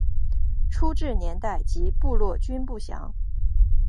初置年代及部落均不详。